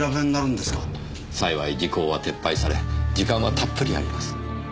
幸い時効は撤廃され時間はたっぷりあります。